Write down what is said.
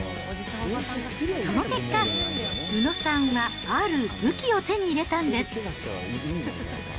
その結果、宇野さんはある武器を手に入れたんです。